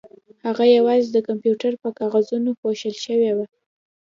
هغه یوازې د کمپیوټر په کاغذونو پوښل شوې وه